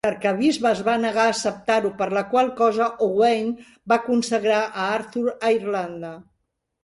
L'arquebisbe es va negar a acceptar-ho, per la qual cosa Owain va consagrar a Arthur a Irlanda.